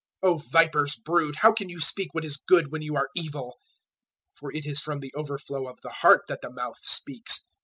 012:034 O vipers' brood, how can you speak what is good when you are evil? For it is from the overflow of the heart that the mouth speaks.